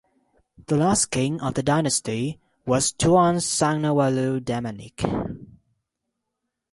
The last king of the dynasty was Tuan Sangnawaluh Damanik.